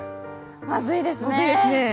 まずいですね。